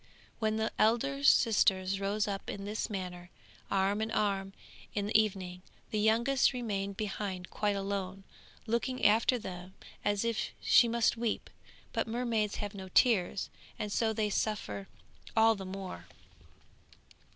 When the elder sisters rose up in this manner, arm in arm, in the evening, the youngest remained behind quite alone, looking after them as if she must weep; but mermaids have no tears, and so they suffer all the more.